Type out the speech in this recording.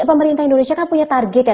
pemerintah indonesia kan punya target ya